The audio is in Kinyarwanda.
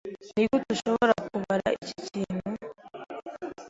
Nigute ushobora kubara iki kintu?